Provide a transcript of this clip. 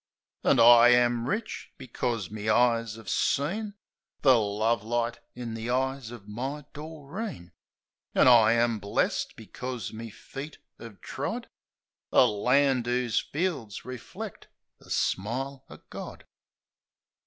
An' I am rich, becos me eyes 'ave seen The lovelight in the eyes of my Doreen ; An' I am blest, becos me feet 'ave trod A land 'oo's fields reflect the smile o' God.